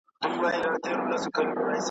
چي د سیمي اوسېدونکي .